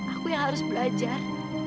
aku yang harus belajar